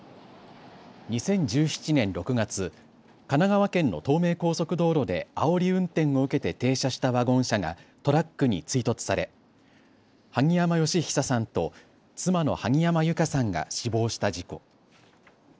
２０１７年６月、神奈川県の東名高速道路であおり運転を受けて停車したワゴン車がトラックに追突され萩山嘉久さんと妻の萩山友香さんが死亡した事故。